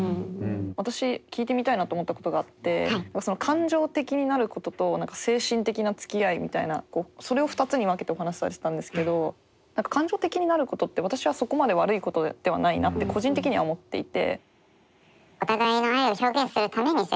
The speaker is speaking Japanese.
私聞いてみたいなと思ったことがあって感情的になることと何か精神的なつきあいみたいなそれを２つに分けてお話しされてたんですけど感情的になることって私はそこまで悪いことではないなって個人的には思っていて。